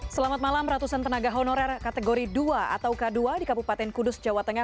selamat malam ratusan tenaga honorer kategori dua atau k dua di kabupaten kudus jawa tengah